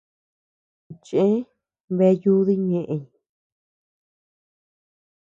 Cheʼe bea yudii ñëʼeñ.